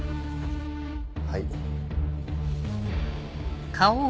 はい。